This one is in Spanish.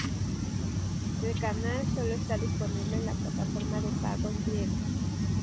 El canal sólo está disponible en la plataforma de pagos griega.